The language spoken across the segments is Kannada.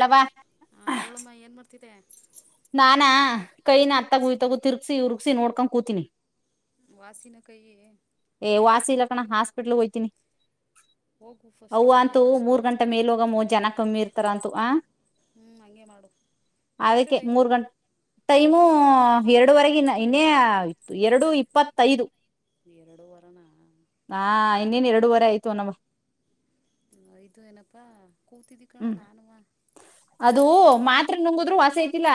ಹೇಳ್ ವಾ ಹಾಂ ಹೇಳಮ್ಮ ಏನು ಮಾಡ್ತಿದ್ದೆ ಕೈ ನ ಅತ್ತಗ ಹ್ಞೂ ಯತಗೋ ತಿರ್ ತಿರ್ಗಸಿ ಉರುಗಿ ನೋಡಕ ಕೂತಿನಿ. ವಾಸಿನ ಕೈಯೀ. ಏ ವಾಸಿ ಇಲ್ಲ ಕಣ ಹಾಸ್ಪಿಟ್ಲ್ ಹೋಗಯತೀನಿ. ಹೋಗು ಫಸ್ಟು ಅವ್ವ ಹೋಗಿ ಅಂತೂ ಇಂಜೆಕ್ಷನ್ ಮೂರ್ ಗಂಟೆ ಮಾಡಿಸ್ಕೊಬ ಮೇಲ್ ಹೊಗಮ್ಮ ಜನ ಕಮ್ಮಿರ್ತ ತರಂತು ಆ ಹ್ಞೂ ಹಂಗೆ ಮಾಡು ಈಗ ಎಷ್ಟು ಅದಕ್ಕೆ ಟೈಮು ಮೂರ್ ಗಂಟೆ ಟೈಮು ಎರಡುವರೆಗ ಇ ಇನ್ನೇ ಇತ್ತು ಎರಡು ಇಪ್ಪತ್ತೈದು. ಎರಡು ವರನ. ಹಾ ಇನ್ನೇನ್ ಎರಡುವರೆ ಆಯ್ತು ಅನವ. ಹ ಇದು ಏನಪ್ಪಾ ಕೂತಿದ್ದಿ ಕಣ ಹ್ಮ್ ನಾನುವ. ಅದು ಮಾತ್ರ ನುಂಗುದ್ರು ವಾಸಿ ಐತಿಲ್ಲ.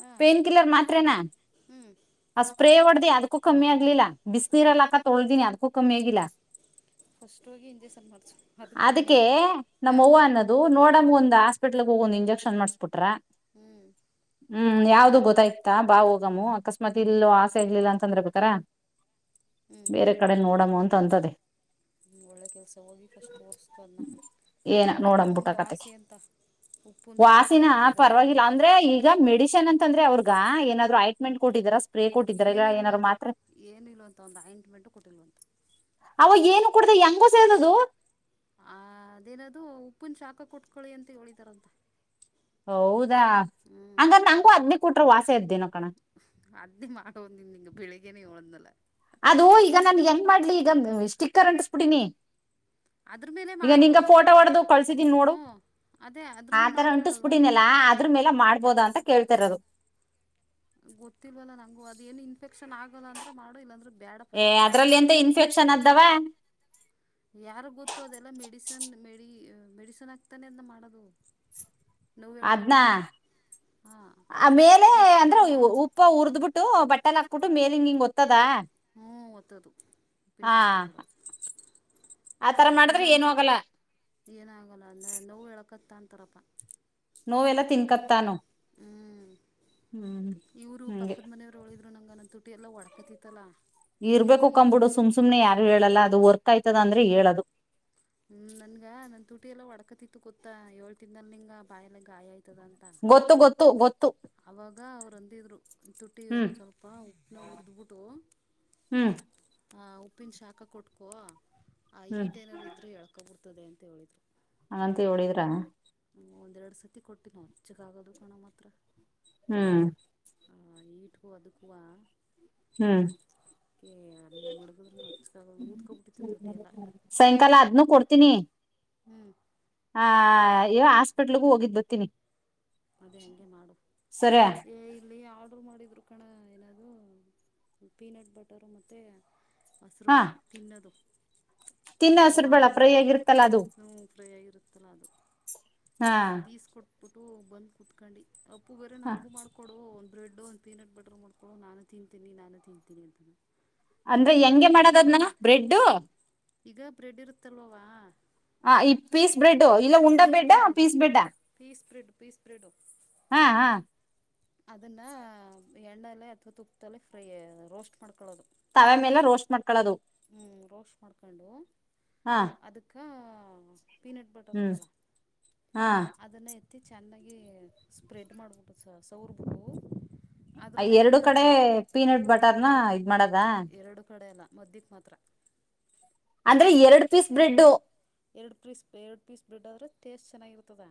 ಹಾಂ ಪೇನ್ ಕಿಲ್ಲರ್ ಮಾತ್ರೇನಾ ಹ್ಞೂ ಆ ಸ್ಪ್ರೇ ಹೊಡ್ದ ಅದಕ್ಕೂ ಕಮ್ಮಿ ಆಗ್ಲಿಲ್ಲ. ಬಿಸನೀರ ಹ್ಞೂ ಆಕ ತೂಳ್ದಿನಿ ಅದಖೂ ಕಮ್ಮಿ ಆಗಿಲ್ಲ. ಫಸ್ಟ್ ಹೋಗಿ ಇಂಜೆಕ್ಷನ್ ಮಾಡ್ಸು ಅದ ಕಮ್ಮಿ ಆಂತ ಹಾ. ಅದು ನೋಡಮಂಗ ಒಂದ್ ಆಸ್ಪಟ್ಲ್ ಹೋಗ ಒಂದ್ ಇಂಜೆಕ್ಷನ್ ಮಾಡಸ್ಬಿಟ್ರ. ಹ್ಮ್ ಹ್ಮ್ ಯಾವ್ದು ಗೊತ್ತ ಇತಾ ಬಾ ಹೋಗಮ್ಮ ಅಕಸ್ಮಾತ್ ಇಲ್ೋ ಆಸೆ ಇರ್ಲಿಲ್ಲ ಅಂತ ಅಂದ್ರ ಬೇಕಾರಾ. ಹ್ಞೂ ಬೇರೆ ಕಡೆ ನೋಡಮು ಅಂತ ಅಂತದೆ. ಒಳ್ಳೆ ಕೆಲಸ ಹೋಗಿ ಫಸ್ಟ್ ತೋರಿಸಸ್ತ ಅನ್ನ. ಏನ ನಮ್ಮ ನೋಡಂಬುಟ್ಟ ಹತ್ಕಮ್ಮಂಗು ಕತೆಗೆ ಆಸೆ ಅಂತ ಉಪ್ಪನ ಶಕ ವಾಸಿನ ಕೊಟ್ಕೊಟ್ಟಿದಾರಂತ. ಪರವಾಗಿಲ್ಲ ಅಂದ್ರೆ ಈಗ ಮೆಡಶನ್ ಅಂತ ಅಂದ್ರೆ ಅವ್ರಗ ಏನಾದ್ರು ಐಟ್ಮೆಂಟ್ ಕೊಟ್ಟಿದಾರ ಸ್ಪ್ರೇ ಕೊಟ್ಟಿದ್ರ ಇಲ್ಲ ಏನಾದ್ರು ಮಾತ್ರೆ ಏನ ಇಲ್ವಂತ ಒಂದು ಆಯಂಟ್ಮೆಟ್ಟೂ ಕೊಟ್ಟಿಲ್ವಂತ. ಅವ ಏನು ಕುಡ್ದ ಹೆಂಗ ಸೇರದದು. ಆ ಅದೇನದುೂ ಉಪ್ಪನ್ ಶಾಖ ಕೊಟ್ಕೊಳ್ಳಿ ಅಂತ ಹೇಳಿದಾರಂತ. ಹೌದಾ ಹ್ಞೂ ಹಂಗ್ರ ನಂಗಂಗೂ ಹದ್ನಿ ಕೊಟ್ರ ವಾಸ ಇದದ್ದೀನೋ ಕಣ. ಅದೇ ಮಾಡ್ಂದನ್ ನಿಂಗ ಬೆಳಿಗ್ಗೆನೆ ಇಳದ್ನಲ. ಅದು ಈಗ ನನ್ ಹೆಂಗ್ ಮಾಡ್ಲಿ ಈಗ ಸ್ಟಿಕ್ಕರ್ ಅಂಟಸ್ಬಿಡೀನಿ. ಅದ್ರ ಮೇಲೆ ಈಗ ಮಾಡು ನಿಂಗ ಫೋಟೋ ಹೊಡ್ದ ಕಳ್ಸಿದೀನಿ ನೋಡು. ಹ್ಞೂ ಅದೇ ಅದ್ರ ಮೇಲೆ ಆತರ ಮಾಡೋಕ್ಕಾಗಲ್ವಾ ಉಂಟುಸ್ಬಿಟ್ಟನಲ್ಲ ಅದ್ರ ಮೇಲೆ ಮಾಡ್ಬೋದ ಅಂತ ಕೇಳ್ತರರು. ಗೊತ್ತಿಲ್ಲವಲ್ಲ ನಂಗು ಅದ ಏನು ಇನ್ಫೆಕ್ಷನ್ ಆಗಲ್ಲ ಅಂದ್ರ ಮಾಡೋ ಇಲ್ಲ ಅಂದ್ರೆ ಬೇಡ ಏ ಫಸ್ಟ್ ಹೋಗಿ ಡಾಕ್ಟರ್ ಅದ್ರಲ್ಲಿ ಎಂತ ತೋರಿಸು. ಇನ್ಫೆಕ್ಷನ್ ಆದ್ದವ. ಯಾರು ಗೊತ್ತು ಅದೆಲ್ಲ ಮೆಡಿಸನ್ ಮೆಡಿ ಮೆಡಿಸನ್ ಆಕ್ತಾನೆ ಅದನ್ನ ಮಾಡೋದು. ನೋವ್ ಅದ್ನ ಹೇಳ್ಕೊಳ್ಳಿ ಅಂತ ಹಾಂ ಆ ಮೇಲೆ ಅಂದ್ರೆ ಗೊತ್ತಿಲ್ಲ. ಉಪ್ಪ ಉುರ್ದ್ಬಿಟ್ಟು ಬಟ್ಟೆಲ್ ಹಾಕ್ಬಿಟ್ಟ ಮೇಲೆ ಹಿಂಗ ಹಿಂಗ ಗೊತ್ತದ. ಹ್ಮ್ ಒತ್ತದು. ಉಪ್ಪಿನ ಶಾಖ ಕೊೂಡದು ಆತರ ಹ್ಮ್ ಇಲ್ಲ ಮಾಡಿದ್ರೆ ಏನು ಆಗಲ್ಲ ಏನಾಗಲ್ಲ ಅಂದ್ರ ನವು ಎಳಕತ್ತ ಅಂತಾರಪ್ಪ. ನೋವೆಲ್ಲ ತಿನ್ಕತಾ ಅನ್ನು. ಹ್ಮ್ ಇವ್ರು ಹಂಗೆ ಪಕ್ಕದ ಮನೆಯವ್ರು ಒಳಿದ್ರು ನಂಗಗೆ ನನ್ನ ತುಟಿ ಎಲ್ಲಾ ಒಡ್ಕತಿತ್ತಲ್ಲಾ. ಇರ್ಬೇಕು ಕಂಬ್ ಬಿಡು ಸುಮ್ ಸುಮ್ನೆ ಯಾರು ಹೇಳಲ್ಲ ಅದು ವರ್ ಹ್ಮ್ ಹ್ಮ್ ನನ್ಗ ನನ್ ತುಟಿ ಎಲ್ಲ ಒಡಕತಿತ್ತು ಗೊತ್ತಾ ಏಳ್ ತಿನ್ಲ್ ನಿಂಗ ಬಾಯಲ್ಲ ಗಾಯ ಆಯ್ತದ ಅಂತ. ಗೊತ್ತು ಗೊತ್ತು ಗೊತ್ತು. ಅವಾಗ ಅವರುಂದಿದ್ರು. ತುಟ್ಟಿದ ಹ್ಮ್ ಒಂದು ಸ್ವಲ್ಪ ಉಪ್ಪನ ಹುರಿದ್ಬಿಟ್ಟು. ಹ್ಮ್ ಆ ಉಪ್ಪಿನ ಶಾಖ ಕೊಟ್ಕೋ ಆ ಹ್ಮ್ ಈಟ್ ಏನಾದಾರರು ಇದ್ರೂ ಎಳ್ಕೊಬಿಡ್ತದೆ ಅಂತ ಹೇಳಿದ್ರು. ಅಂಗಂತ ಹೇಳಳಿದ್ರ [unintelligible] ಒಂದೆರಡು ಸತಿ ಕೊಟ್ಟೀ ನಾವ್ [unintelligible] ಹೆಚ್ಚಗ ಆಗೋದು ಕಣ ಮಾತ್ರ ಹ್ಮ್, ಹಾ ಈಟಗೂ ಅದಕುವ [unintelligible] ಹ್ಮ್, ಕ ಮಡಗದ್ರೂ ನಚ್ಕ ಊದಕೊಬಿಟ್ಟಿತ್ತು ತುಟಿ ಎಲ್ಲ [unintelligible] ಸಾಯಂಕಾಲ ಅದ್ನು ಕೊಡ್ತೀನಿ ಹ್ಮ್, ಆ, ಈ ಹಾಸ್ಪಿಟ್ಲ್ಗು ಹೋಗಿದ್ ಬರತೀನಿ. ಅದೇ ಹಂಗೆ ಮಾಡು ಸರಿ ಏಯ್ಇಲ್ಲಿ ಆರ್ಡರ್ ಮಾಡಿದ್ರು. ಕಕ್ಕಣ ಏನಾದೂ ಪೀನಟ್ ಬಟರು ಮತ್ತು ಮಸರು ಹಾ ಬೇಳ [unintelligible] ತಿನ್ನೋದು ತಿನ್ನ ನಾವು ಹಸ್ರು ಬೇಳ ಮಾಮೂಲಿ ಫ್ರೈ ಆಗಿರ್ತಲ್ಲ ಅದು ಫ್ರೈ ಆಗಿರುತ್ತಲ್ಲ ಅದು. ಹಾ ಅದು ಪಿಸ್ ಕೊಟ್ಬಿಟ್ಟು ಬಂದ್ ಕುತ್ಕೊಂಡಿ ಅಪ್ಪು ಬೇರ ಹಾ ನನಗು ಮಾಡ್ಕೊಡು. ಕೊಡು ಒಂದ್ ಬ್ರೆಡ್ ಒಂದು ಪೀನಟ್ ಬಟರ್ ಮಾಡ್ಕೊಡು. ನಾನು ತಿಂತೀನಿ- ನಾನು ತಿಂತೀನಿ ಅಂತ- ಅಂದ್ರೆ ಹೆಂಗೆ ಮಾಡೋದದನ ಬ್ರೆಡ್ ಈಗ ಬ್ರೆಡ್ ಇರುತ್ತಲ್ವಾ ಹಾ, ಪೀಸ್ ಬ್ರೆಡ್ ಇಲ್ಲ, ಉಂಡಾ bread bread piece bread piece bread, piece bread ಹಾ, ಹಾ ಅದನ್ನಾ ಎಣ್ಣಲ್ಲಿ ಅಥವಾ ತುಪ್ಪದಲ್ಲಿಫ್ರೈ ರೋಸ್ಟ್ ಮಾಡ್ಕೊಳ್ಳೋದು. ತವೆ ಮೇಲೆ ರೋಸ್ಟ್ ಮಾಡ್ಕೊಳ್ಳೋದು ಹ್ಮ್, ರೋಷ್ಟ ಮಾಡ್ಕೊಂಡು ಹಾ ಅದಕ್ [unintelligible] ಪೀನಟ್ ಬಟರ್ ಹ್ಮ್ ಅದಲ್ಲ ಹಾ ಅದನ್ನ ಎತ್ತ ಅತ್ತ ಚೆನ್ನಾಗಿ ಸ್ಪ್ರೆಡ್ ಮಾಡಿಬಿಟ್ಟು ಸ ಸವ್ರಬುಟ್ಟು ಅದ್ರ ಮೇಲೆ ಎರಡು ಕಡೆ ಇನ್ನೊಂದು ಪೀನಟ್ ಬಟರ್ನ ಇದ್ ಮಾಡದ ಎರಡು ಕಡೆ ಎಲ್ಲ ಮದ್ದಿಕ್ ಮತ್ತ- ಅತ್ರ [inaudible] ಅಂದ್ರೆ ಎರಡು ಪೀಸ್ ಬ್ರೆಡ್ ಎರಡು ಪೀಸ್ -ಎರಡು ಪೀಸ್ ಬ್ರೆಡ್ ಆದರೆೆ ಟೇಸ್ಟ್ ಚೆನ್ನಾಗಿರ್ತದ.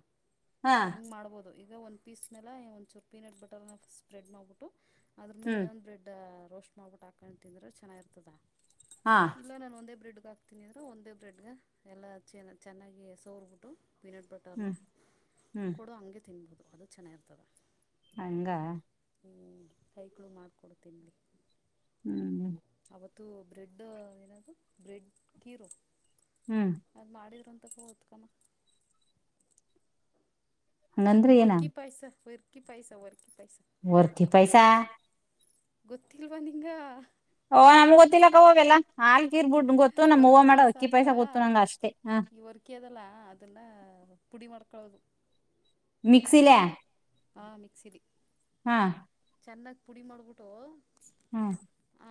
ಹಾ ಹಂಗೆ ಮಾಡ್ಬೋದು ಈಗ ಒಂದು- ಪೀಸ್ ಮೇಲೆ ಒಂದಚೂರು ಪೀನಟ್ ಬಟರ್ನ ಸ್ಪ್ರೆಡ್ ಮಾಡಿಬಿಟ್ಟು ಅದ್ರ ಮೇಲೆ ಹ್ಮ್ ಇನ್ನೊಂದು ಬ್ರೆಡ್ ರೋಸ್ಟ್ ಮಾಡ್ಬಿಟ್ಟು ಹಾಕೊಂಡು ತಿಂದ್ರೆ ಚೆನ್ನಾಗಿರ್ತದ. ಹಾ, ಇಲ್ಲ ನಾನು ಒಂದೇ ಬ್ರೆಡ್ಗೆ ಹಾಕ್ತೀನಂದ್ರೆ ಒಂದೇ ಬ್ರೆಡ್ಗೆ ಎಲ್ಲ ಚೆ ಚೆನ್ನಾಗಿ ಸೋರ್ಬಿಟ್ಟು ಪೀನಟ್ ಬಟರ್ನ ಹ್ಮ್ ಹ್ಮ್ ಕೊಡ ಹಂಗೆ ತಿನ್ಬೋದು ಅದು ಚೆನ್ನಾಗಿರ್ತದೆ. ಹಂಗ [inaudible] ಹ್ಞೂ ಕೈಗಳು ಮಾಡಿಕೊಡ್ತೀನಿ ರಿ [unintelligible] ಹ್ಮ್ [inaudible] ಅವತ್ತು ಬ್ರೆಡ್ ಏನದು ಬ್ರೆಡ್ ಕೀರು ಹ್ಮ್, ಅದ್ ಮಾಡಿದ್ರರು ಅಂತ [unintelligible] ಹಂಗಂದ್ರೆ ಏನ ವರ್ಕಿ ಪಾಯಸ- ವರ್ಕಿ ಪಾಯಸ, ವರ್ಕಿ ಪಾಯಸ ವರ್ತಿ ಪೈಸ [unintelligible] ಗೊತ್ತಿಲ್ವಾ ನಿಂಗಾ ಓ ನಮ್ಗ್ ಗೊತ್ತಿಲ್ಲಕ್ಕವ ಅವಲ್ಲಾ ಹಾಲ್ಗೀರ್ಬಿಡ್ ಗೊತ್ತು. ನಮ್ ಹೂವ ಮಾಡ ಅಕ್ಕಿ ಪಾಯಸ ಗೊತ್ತು ನಂಗ ಅಷ್ಟೇ. ಹ ಅಕ್ಕಿಆದಲ್ಲ ಅದೆಲ್ಲ ಪುಡಿ ಮಾಡ್ಕೊಳ್ಳೋದು. ಮಿಕ್ಸಿಲೆ ಹಾ, ಮಿಕ್ಸಿ ರಿ ಹಾ ಚೆನ್ನಾಗಿ ಪುಡಿ ಮಾಡ್ಬಿಟ್ಟು. ಹ್ಮ್ ಹ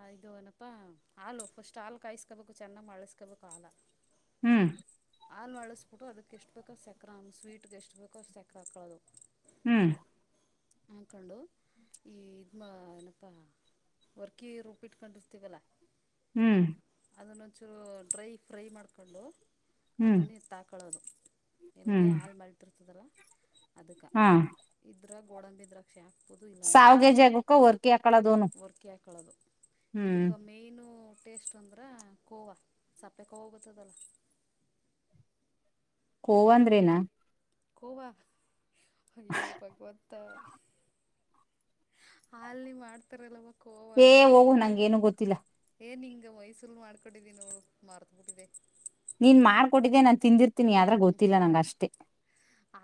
ಹ ಇದು ಏನಪ್ಪಾ ಹಾಲು ಫಸ್ಟ್ ಹಾಲು ಕಾಯಸ್ಕೋಬೇಕು ಚೆನ್ನಾಗ್ ಮಳ್ಳುಸ್ಕೋಬೇಕು ಹಾಲ. ಹ್ಮ್ ಹಾಲು ಮಾಳ್ಳ್ಸ್ಬಿಟ್ಟು ಅದಕ್ಕೆ ಎಷ್ಟು ಬೇಕೋ ಸಕ್ರೆ ಸ್ವೀಟ್ಗೆ ಎಷ್ಟು ಬೇಕೋ ಸಕ್ಕ್ರ ಹಾಕ್ಕೊಳದು. ಹ್ಮ್ ಹಾಕೊಂಡು ಈ ಇದ್ಮ ಏನಪ್ಪಾ ವರ್ಕಿ ರುಬ್ಬಿಟ್ಕಂಡಿರ್ತೀವಲ್ಲಾ ಹ್ಮ್ ಅದನ್ನೊಂಚೂರ್ ಡ್ರೈ ಫ್ರೈ ಮಾಡ್ಕೊಂಡು ಹ್ಮ್ ಅದನ್ನು ಎತ್ತಾಕೊಳ್ಳೋದು. ಎಲ್ಲಿಗೆ ಹ್ಮ್ ಹಾಲು ಮಳ್ಳ್ತಿರ್ತದಲ್ಲ ಅದಕ್ಕೆ ಹಾ ಇದ್ರ ಗೋಡಂಬಿ ದ್ರಾಕ್ಷೆ ಹಾಕ್ ಬೊದು ಇಲ್ಲಾ ಅಂದ್ರ ಇಲ್ಲ ಸಾವ್ಗೆ ಜಾಗಕ್ಕ ವರ್ಕಿ ಹಾಕಳದೋನು ವರ್ಕಿ ಹಾಕಳೋದು. ಹ್ಮ್ ಇದಕ್ಕ ಮೈನು ಟೇಸ್ಟ್ ಅಂದ್ರ ಕೋವಾ ಸಪ್ಪೆ ಕೋವ ಗೊತ್ತದಲ್ಲ. ಕೋವ ಅಂದ್ರೇನಾ? ಕೋವಾ ಅಯ್ಯೋ ಭಗವಂತಾ ಹಾಲ್ಲಿ ಮಾಡ್ತಾರಲ್ಲವ ಕೋವಾ. ಗು ನಂಗೆನು ಗೊತ್ತಿಲ್ಲ. ಏ ನಿಂಗ ವಯ್ಸೂಲ್ ಮಾಡ್ಕೊಂಡಿದೀ ನೋಡ್ ಮಾರ್ತ್ಬಿಟ್ಟಿದೆ. ನೀನ್ ಮಾಡ್ಕೊಟ್ಟಿದ್ದೆ ನಾನ್ ತಿಂದಿರ್ತೀನಿ ಆದ್ರ ಗೊತ್ತಿಲ್ಲ ನಂಗಷ್ಟೇ.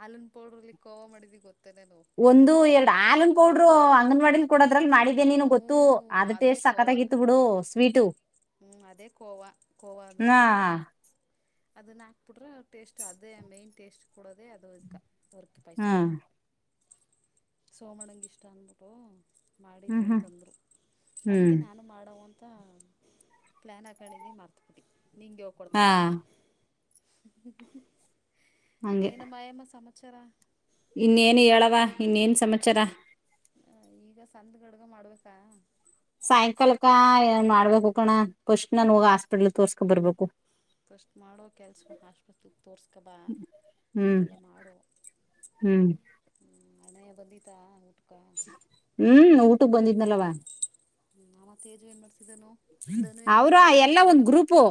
ಹಲುನ್ ಪೌಡ್ರಲ್ಲಿ ಕೋವಾ ಮಾಡಿದಿ ಗೊತ್ತಾ ನಾನು. ಒಂದು ಎರಡು ಹಾಲೂನ್ ಪೌಡ್ರು ಅಂಗನ್ವಾಡಿಲಿ ಕೊಡೋದ್ರಲ್ಲಿ ಮಾಡಿದ್ದೇ ನೀನು ಹ್ಞೂ ಗೊತ್ತು ಅದ್ ಅದೇ ಟೇಸ್ಟ್ ಕೋವಾ ಸಾಕತ್ತಾಗಿತ್ತು. ಬಿಡು ಸ್ವೀಟು. ಹ್ಞೂ ಅದೇ ಕೋವಾ ಕೋವಾ ಅಂದ್ರೆ. ಹಾ ಅದನ್ನ್ ಹಾಕ್ಬಿಟ್ರೆ ಟೇಸ್ಟ್ ಅದೇ ಮೈನ್ ಟೇಸ್ಟ್ ಕೊಡೋದೆೇ ಅದು ಇದ್ಕೆ. ಹಾ ಸೋಮಣಂಗ್ ಇಷ್ಟ ಅನ್ಬಿಟ್ಟು ಹ್ಮ್ ಮಾಡಿದೆ ಹ್ಮ್ ಅಂತಂದ್ರು ಹ್ಮ್ ಅದಕ್ಕೆ ನಾನು ಮಾಡೋವ ತ ಪ್ಲ್ಯಾನ್ ಹಾಕೊಂಡಿದ್ದಿ ಮಾರ್ತ್ಬಿಟಿ ನಿಂಗೆ ಹಾ ಯೋಳ್ಕೊಡ್ತಾವ್ನಿ. ಹ್ಮ್ ಹ್ಮ್ ಹಂಗೆ ಇನ್ನೇನು ಮಾಯಮ ಸಮಚರಾ? ಇನ್ನೇನು ಹೇಳವ ಇನ್ನೇನ್ ಸಮಾಚಾರ? ಈಗ ಸಂದ್ಗಡ್ಗ ಮಾಡ್ಬೇಕಾ? ಸಾಯಂಕಾಲಕ್ಕ ಏನ್ ಮಾಡ್ಬೇಕು ಕಣ ಪಸ್ಟ್ ನನ್ ಹೋಗ ಹಾಸ್ಪಿಟ್ಲ್ಗ್ ತೋರ್ಸ್ಕೊ ಬರ್ಬೇಕು. ಫಸ್ಟ್ ಮಾಡೋ ಕೆಲ್ಸ್ವ ಹಾಸ್ಪತ್ರಿಗ್ ತೋರ್ಸ್ಕಬಾ. ಹ್ಮ್ ಹ್ಮ್ ಹ್ಮ್ ಅಣ್ಣಯ್ಯ ಬಂದಿತ್ತಾ ಊಟ್ಕ? ಹ್ಮ್ ಊಟಕ್ಕ್ ಬಂದಿದ್ನಲ್ಲವ. ಹ್ಮ್ ಅವ ತೇಜು ಏನ್ ಮಾಡ್ಸಿದನು? ಅವ್ರಾ ಎಲ್ಲಾ ಒಂದ್ ಗ್ರೂಪು.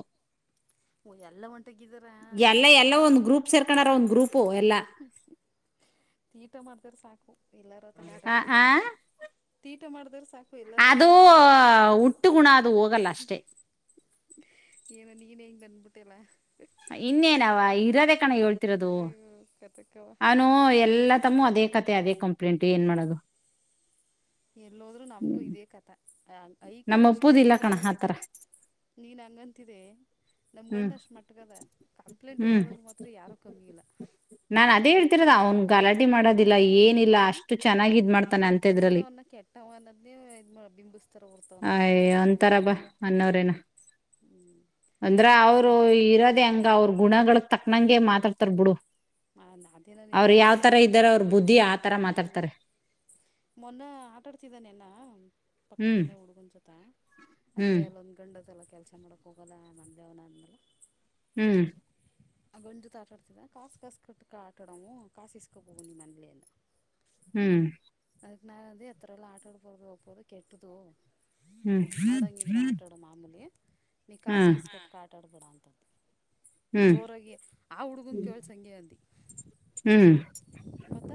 ಓ ಎಲ್ಲ ಒಂದ್ ಎಲ್ಲ ಎಲ್ಲ ಒಂದ್ ಗ್ರೂಪ್ ಸೇರ್ಕಂಡಾರ ಒಂದ್ ಗ್ರೂಪು ಎಲ್ಲಾ. ತೀಟೆ ಮಾಡ್ದೆದ್ರಿ ಸಾಕು ಎಲ್ಲಾರ ಆತಗ ಆ ಆಟಾಡ್ಕ ಆ ಬರ್ಲಿ ತೀಟೆ ಮಾಡ್ದೇದ್ರೆ ಸಾಕು. ಅದೂ ಎಲ್ಲಾರತ್ತಾಗ ಆಟಾಡ್ಕೊ ಹುಟ್ಟು ಗುಣ ಅದು ಹೋಗಲ್ಲ ಅಷ್ಟೇ. ಏನೋ ನೀನೆ ಇಂಗ್ ಅಂದಬಿಟ್ಟೆಲ್ಲ. ಇನ್ನೇನವ ಇರದೇ ಕಣ ಹೇಳ್ ಅಯ್ಯೋ ಕತೆಕವಾ. ನಾನು ಎಲ್ಲ ತಮ್ಮೂ ಅದೇ ಕತೆೆ ಅದೇ ಕಂಪ್ಲೇಂಟ್ ಏನ್ ಮಾಡೋದು. ಎಲ್ಲೋದ್ರು ನಮಗೂ ಇದೇ ಕಥ ಐಕ ನಮ್ಮ ಎಷ್ಟೇ ಅಪ್ಪುದಿಲ್ಲ ಕಣ ಇದಾದೃವ್ವಾ ಆತರ ನೀನ್ ಹಂಗಂತಿದೆ. ನಮ್ ಗಂಡ ಹ್ಮ್ ಅಷ್ಟ್ ಮಟ್ಗದ ಕಂಪ್ಲೇಂಟ್ ಹ್ಮ್ ಹೇಳದ್ರಲ್ಲಿ ಮಾತ್ರ ಯಾರು ಕಮ್ಮಿ ಇಲ್ಲ. ನಾನ್ ಅದೇ ಹೇಳ್ತಿರದು ಅವ್ನ್ ಗಲಾಟೆ ಮಾಡೋದಿಲ್ಲ ಏನಿಲ್ಲ ಅಷ್ಟು ಚೆನ್ನಾಗಿ ಇದ್ ಮಾಡ್ ಆದ್ರ ಅವ್ನ್ನ ಕೆಟ್ಟವ್ ಅನ್ನದನೇ ಇದ ಬಿಂಬಿಸ್ತಾರ ಹೊರ್ತ ಆವನ್ನ ಒಳ್ಳೆ ಮನುಷ್ಯ ಏನ್ಸಲ್ಲ. ಅನ್ನವ್ರೇನ ಅಂದ್ರ ಅವತ್ತು ಅವರು ಇರೋದ ಹಂಗ್ ಗ ಅವ್ರ ಗುಣಗಳ ತಕ್ಕನಂಗೆ ಮಾತಾಡ್ತರ್ ಬಿಡು ಅದೇನೋ ನಿಜ ಅವರು ಯಾವ್ ಬಿಡು ತರ ಇದ್ದಾರೆ ಅವ್ರ ಬುದ್ ದ್ದಿ ಆ ತರ ಹ್ಞೂ ಮಾತಾಡ್ತಾರೆ. ಮೊನ್ನೆ ಆಟಾಡ್ತಿದ್ದಾ ನೆನ ಹ್ಮ್ ಪಕ್ಕದ್ಮನ್ನೆ ಹುಡುಗನ್ ಜೊತೆ ಅದೇ ಹ್ಮ್ ಅಲ್ಲೊಂದು ಗಂಡದ್ದಲ್ಲ ಕೆಲಸ ಮಾಡಕ್ಕೆ ಹೋಗೋಲ್ಲ ಮನೆಲೆ ಅವ್ನ ಆದ್ಮ ಹ್ಮ್ ಅ ಗಂಡ್ ಜೊತೆ ಆಟ ಆಡ್ತಿದೆ ಕಾಸ್ ಕಸ್ ಕಟ್ಟು ಆಟಡವೂ ಕಾಸ್ ಇಸ್ಕೊಬೋವು ನಿಮ್ಮ ಮನೆಲಿ ಅಂದ ಹ್ಮ್ ಅದಕ್ಕೆ ನಾನ್ ಅಂದೆ ಅಥರ ಎಲ್ಲಾ ಆಟಡ್ಬಾರ್ದು ಅಪು ಅದು ಕೆಟ್ಟದು. ಹ್ಮ್ ಆಡಂಗಿದ್ರ ಆಟಾಡ ಮಾಮೂಲಿ. ನೀ ಕಾಸ ಹ್ಮ್ ಕೀಸ್ಕಟ್ಟ ಆಟ ಆಡಬೇಡ ಅಂತದ್ದು ಹ್ಮ್ ಜೋರಾಗಿ ಆ ಹುಡುಗನ ಕೇಳಸ ಸಂಂಗಗೆ ಅಂದ. ಹ್ಮ್ ಮತ್ತ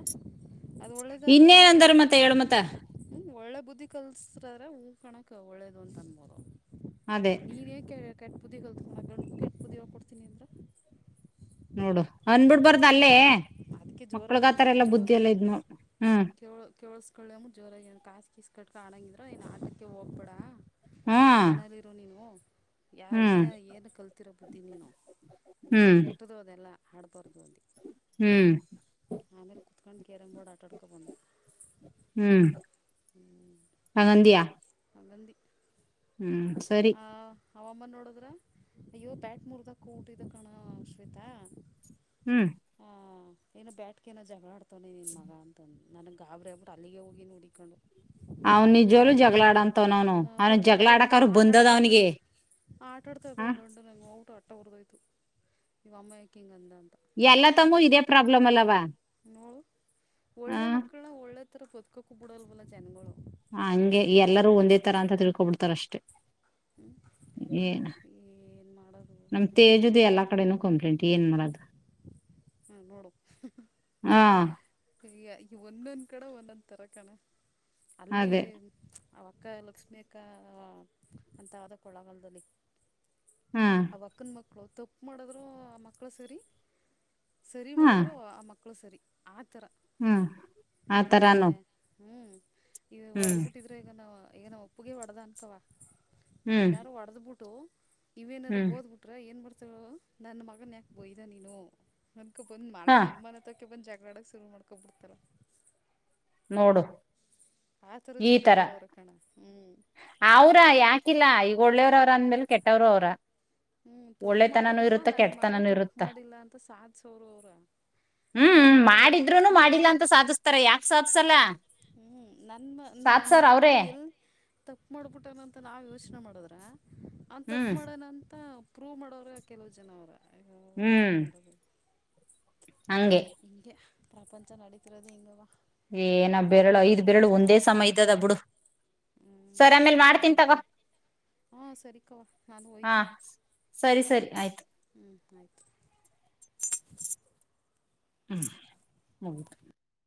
ಅದು ಒಳ್ಳೇದ ಆದು ಇನ್ನೇನ್ ಅಂದಾರ ಮಯಮ್ಮ. ಮತ್ತೆ ಹೇಳು ಮತ್ತ ಹ್ಮ ಒಳ್ಳೆ ಬುದ್ಧಿ ಕಲ್ಸ್ರ್ರ ಹೂ ಕಣಕ್ ಒಳ್ಳೇದು ಅಂತ ಅನ್ಬೋದವ್ವ. ಅದೇ ನೀನ್ ಕೆ ಕೆಟ್ ಬುದ್ದಿ ಕಳ್ಕೋನೇಕೆಳು ಕೆಟ್ಟ್ ಬುದ್ದಿ ಹೇಳ್ಕೊಡ್ತಿನಿ ಅಂದ್ರ ನೋಡು ಅಂದಬಿಡ್ಬಾರದ ಅಲ್ಲೇ ಅದಕ್ಕೆ ಮಕ್ಳಗ ಜೋರಾಗಿ ಆತರ ಅಂದಿದ್ದು ಎಲ್ಲಾ ಬುದ್ಧಿ ಎಲ್ಲ ಇದ್ನು ಹ್ಮ್. ಕೇಳಳ್ಸ್ಕಳ ಜೋರ ಏನ್ ಕಾಸ್ ಕೀಸ್ ಕಟ್ಕ ಆಡಂಗಿದ್ರ ಏನ್ ಆಟಕ್ಕೆ ಹೋಗ್ಬೇಡ ಹ್ಮ್ ಮನೆಲಿರು ನೀನು ಯಾ ಹ್ಮ್ ಏನು ಏನು ಕಲ್ತಿರೋ ಬುದ್ಧಿ ನೀನು ಹ್ಮ್ ಕೆಟ್ಟ್ದು ಅದೆಲ್ಲ ಹಾಡಬಾರ್ದು ಅಂದೆ. ಹ್ಮ್ ಆಮೇಲೆ ಕುತ್ಕೊಂಡು ಕ್ಯರಮ್ ಬೋರ್ಡ್ ಆಟಾಡ್ಕೊಬಂದೋ ಹ್ಮ್ ಹ್ಮ ಹಂಗಂದಿಯಾ ಹಾಗಧಿ ಹ್ಮ್ ಸರಿ ಹ ಆವ್ವಮ್ಮ ನೋಡದ್ರೆ [unintelligible] ಅಯ್ಯೋ ಬ್ಯಾಟ್ ಮೂರ್ದಕ ಬುಟಿದ ಕಣೋ ಅ ಶ್ವೇತಾ ಹ್ಮ್ ಹಾ ಏನ ಬ್ಯಾಟ್ಗೇನೋ ಜಗಳಾಡ್ತವನೆ ನಿನ್ ಮಗ ಅಂತಂದು ನನಗೆ ಗಾಬರಿ ಆಗ್ಬಿಟ್ಟೆ ಟ್ಟು ಅಲ್ಲಿಗೆ ಹೋಗಿ ನೋಡಿಕೊಂಡು ಅವನ್ ನಿಜವಾಗ್ಲೂ ಜಗಳ ಆಡ ಅಂತವ್ ನ ಅವನು ಆ, ಅವನು ಪಾಪ ಜಗಳಾ ಗಂಡ ಆಡಕಾದ್ರು ಆಟ ಬಂದದ್ ಆಡ್ತಾ ಇದ್ದಾಗ ಅವನಿಗೆ ಆಟ ಆಡ್ತಾ ಹ ಇದ್ದಾಗ ಗಂಡು ನಂಗೆ ನೋಡ್ಬುಟ್ಟು ಹೊಟ್ಟೆ ಹರಿದೋಯ್ತು ನೀವು ಅಮ್ಮ ಯಾಕ ಹಿಂಗೆ ಅಂದ ಅಂತ.. ಎಲ್ಲ ತಂಗೂ ಇದೇ ಪ್ರಾಬ್ಲಮ್ ಅಲ್ಲವಾ? ನೋಡು ಹ ಒಳ್ಳೆ ಮಕ್ಕಳನ ಒಳ್ಳೆ ತರ ಬತ್ಕೋಕು ಬಿಡಲ್ವಲ್ಲ ಜನಗಳು.. ಹಂಗೆ ಎಲ್ಲರೂ ಒಂದೇ ತರ ಅಂತ ತಿಳ್ಕೊಬಿಡ್ತಾರ ಅಷ್ಟೇ. ಹ್ಞ ಏನ್ ಏನು ಮಾಡೋದು? ನಮ್ ತೇಜು ದೆ ಎಲ್ಲಾಡೆನ ಕಂಪ್ಲೇಂಟ್ ಏನ್ ಮಾಡದು ಹಾಂ ನೋಡು ಹಾ ಈ ಒಂದೊಂದ್ ಕಡೆ ಒಂದೊಂದ ತರ ಕಣ ಅಲ್ಲಿ ಅದೇ ಅವಕ್ಕ ಲಕ್ಷ್ಮಿ ಅಕ್ಕ ಅಂತ ಕೊಳೆಗಾಲ್ದಲ್ಲಿ ಹಾ ಅವ ಅಕ್ಕನ ಮಕ್ಳು ತಪ್ಪು ಮಾಡದ್ರು ಆ ಮಕ್ಳ ಸರಿ ಸರಿ ಹಾ ಮಾಡಿದ್ರರು ಆ ಮಕ್ಕಳು ಸರಿ ಆ ಥರಾ ಹ್ಮ್ ಈಗ ಆತರಾನು ಹ್ಮ್ ಈಗ ಹ್ಮ್ ಹೊಡೆದ್ ಬಿಟ್ಟಿದ್ರೆ ಈಗ ನಾವ ಈಗ ನಾವ ನಮಪ್ಪಗೆ ಒಡದ ಅನ್ಕವ ಹ್ಮ್ ಏನಾರರು ಒಡೆದ್ ಬಿಟ್ಟು ಇವೇನಾರರು ಹ್ಮ್ ಬೋದ್ಬ ಬಿಟ್ರೆ ಏನ್ ಮಾಡರ್ತವ ನನ್ನ ಮಗನ್ ಯಾಕೆ ಬಯ್ದ ನೀನು ನನ್ಕ ಬಂದ ಮನ ಹಾ ನಮ್ಮನ ತಕ ಬಂದ್ ಜಗಳಾಡಕ್ ಶುರು ಮಾಡ್ಕೋಬಿಡ್ತಲ್ಲ ನೋಡು ಆತರ ಈ ತರ ಜನಗಳು ಅವರ ಕಣ ಹ್ಮ್ ಅವ್ರ ಯಾಕಿಲ್ಲ ಈಗ ಒಳ್ಳೆಯವ್ರವ್ರ ಅಂದ್ಮೇಲೆ ಕೆಟ್ಟವರು ಅವ್ರ ಹ್ಮ್ ತಪ್ಪು ಒಳ್ಳೆತನನೂ ಮಾಡಿದ್ರು ಇರುತ್ತ ನನ್ ಮಗ ಕೆಟ್ಟತನನೂ ತಪ್ಪು ಇರುತ್ತ ಮಾಡಿಲ್ಲ ಅಂತ ಸಾಧಸರ ಅವರು ಅವ್ರ ಹ್ಮ್ ಮಾಡಿದ್ರುನು ಮಾಡಿಲ್ಲಾ ಅಂತ ಸಾಧಿಸ್ತಾರೆ ಯಾಕ್ ಸಾಧಸಲ್ಲ ಹ್ಮ್ ನನ್ ಸಾಧ್ಸಾರ ನನ್ ಮಗ ಅವ್ರೇ ಎ ತಪ್ಪ ಮಾಡ್ಬಿಟನಂತ ನಾವ ಯೋಚನೆ ಮಾಡದ್ರ ಅವನ್ ತಪ್ಪು ಹ್ಮ್ ಮಾಡನಂತ ಮತ್ತ ಪ್ರೂವ್ ಮಾಡೋ್ರ ಕೆಲವು ಜನವ್ರ ಏನ್ ಹ್ಮ್ ಮಾಡದು ಹಂಗೆ ಹಿಂಗೆ ಪ್ರಪಂಚ ನಡಿತಿರೋದು ಹಿಂಗವಾ ಏನ ಬೆರಳು ಐದ್ ಬೆರಳು ಒಂದೇ ಸಮ ಇದ್ದದ ಬಿಡು ಹ್ಞೂ ಸರಿ ಆಮೇಲ್ ಅಷ್ಟೇ ಮಾಡ್ತೀನಿ ತಗೋ ನನ್ಕ ಹಾಂ ಸರಿ ಕವಾ ನಾನು ಹಾ ಹೊಯ್ತೀನಿ ಸರಿ ಸರಿ ಆಯ್ತು ಹ್ಞೂ ಆಯಿತು ಹ್ಮ್ ಹೌದು